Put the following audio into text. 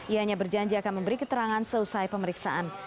ianya berjanji akan memberi keterangan selesai pemeriksaan